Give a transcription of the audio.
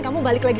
kamu balik lagi